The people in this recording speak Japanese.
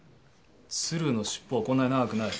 鶴の尻尾はこんなに長くない。